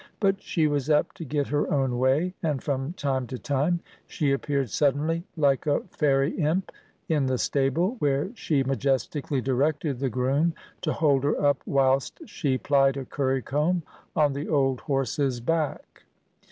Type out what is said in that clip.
But she was apt to get her own way; and from time to time she appeared suddenly, like a fairy imp, in the stable, where she majestically directed the groom to hold her up whilst she plied a currycomb on the old horse's back.